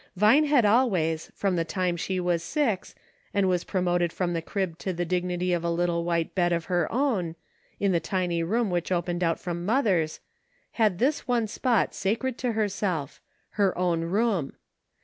Vine had always, from the time she was six, and was promoted from the crib to the dignity of a little white bed of her own, in the tiny room which opened out from mother's, had this one spot sacred to herself ; her own room.